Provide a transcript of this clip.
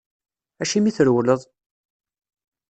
Acimi i trewleḍ?